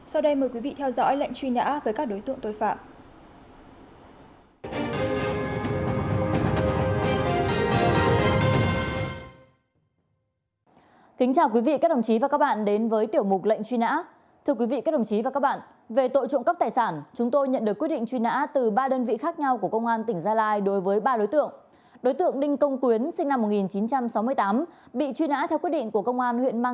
sau đây mời quý vị theo dõi lệnh truy nã với các đối tượng tội phạm